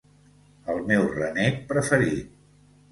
El meu renec preferit